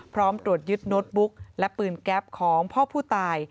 พร้อมตรวจยึดโน้ตบุ๊กและปืนแก๊ปของพ่อผู้ตาย